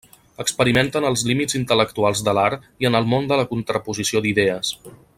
Experimenta en els límits intel·lectuals de l'art i en el món de la contraposició d'idees.